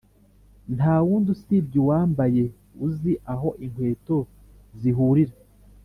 ntawundi usibye uwambaye uzi aho inkweto zihurira